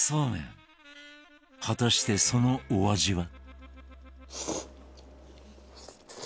果たしてそのお味は？